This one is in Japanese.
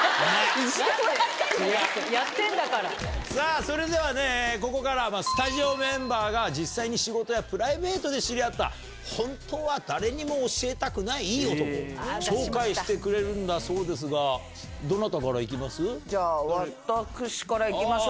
さあそれではね、ここからは、スタジオメンバーが実際に仕事やプライベートで知り合った、本当は誰にも教えたくない、いい男、紹介してくれるんだそうですが、どなたからいきます？